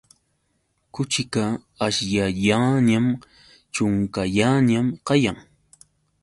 Kuchiqa aśhllayanñam, ćhunkallañam kayan.